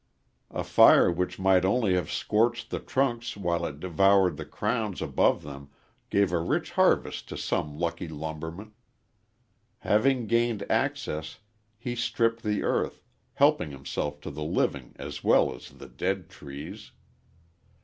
A fire which might only have scorched the trunks while it devoured the crowns above them gave a rich harvest to some lucky lumberman. Having gained access, he stripped the earth, helping himself to the living as well as the dead trees.